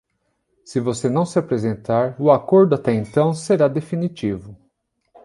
Se você não se apresentar, o acordo, até então, será definitivo.